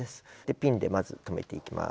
ピンでまず留めていきます。